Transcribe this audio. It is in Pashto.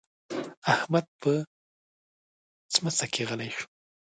احمد په ښمڅه کې غلی شو.